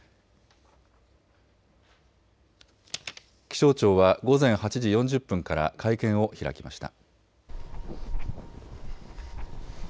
気象庁は午前８時４０分から会見を開きました。